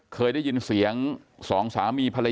กลุ่มตัวเชียงใหม่